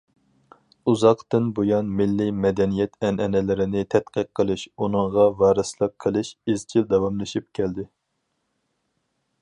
ئۇزاقتىن بۇيان مىللىي مەدەنىيەت ئەنئەنىلىرىنى تەتقىق قىلىش، ئۇنىڭغا ۋارىسلىق قىلىش ئىزچىل داۋاملىشىپ كەلدى.